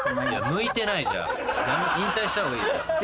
向いてないじゃあ引退したほうがいいよ。